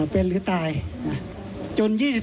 เป็นหรือตายนะครับ